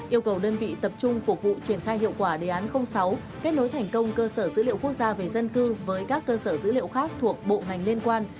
yêu cầu đơn vị tập trung phục vụ triển khai hiệu quả đề án sáu kết nối thành công cơ sở dữ liệu quốc gia về dân cư với các cơ sở dữ liệu khác thuộc bộ ngành liên quan